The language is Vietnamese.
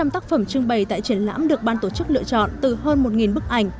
một trăm linh tác phẩm trưng bày tại triển lãm được ban tổ chức lựa chọn từ hơn một bức ảnh